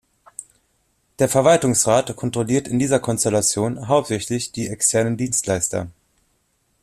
Der Verwaltungsrat kontrolliert in dieser Konstellation hauptsächlich die externen Dienstleister.